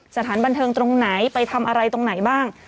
สถานบันเทิงตรงไหนไปทำอะไรตรงไหนบ้าง